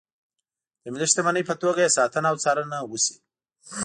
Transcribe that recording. د ملي شتمنۍ په توګه یې ساتنه او څارنه وشي.